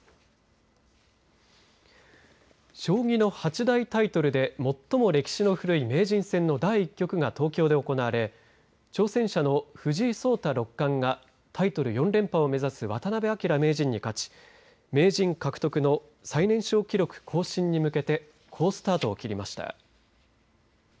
将棋の八大タイトルで最も歴史の古い名人戦の第１局が東京で行われ挑戦者の藤井聡太六冠がタイトル４連覇を目指す渡辺明名人に勝ち名人獲得の最年少記録更新に向けて好スタートを切りました。